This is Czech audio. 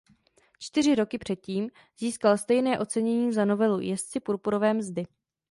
Čtyři roky předtím získal stejné ocenění za novelu "Jezdci purpurové mzdy".